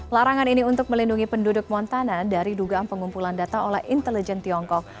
larangan ini untuk melindungi penduduk montana dari dugaan pengumpulan data oleh intelijen tiongkok